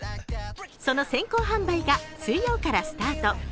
その先行販売が水曜からスタート。